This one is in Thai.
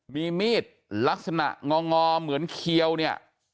มีมีดลักษณะงองอเหมือนเขียวเนี่ย